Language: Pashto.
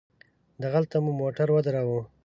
دغلته مو موټر ودراوه.